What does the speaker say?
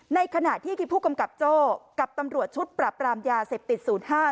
ในขณะที่ผู้กำกับโจ้กับตำรวจชุดปรับปรามยาเสพติด๐๕